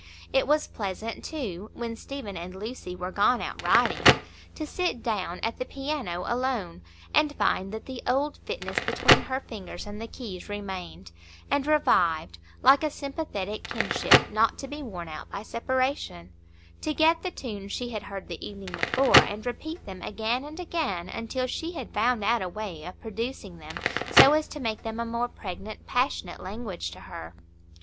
It was pleasant, too, when Stephen and Lucy were gone out riding, to sit down at the piano alone, and find that the old fitness between her fingers and the keys remained, and revived, like a sympathetic kinship not to be worn out by separation; to get the tunes she had heard the evening before, and repeat them again and again until she had found out a way of producing them so as to make them a more pregnant, passionate language to her.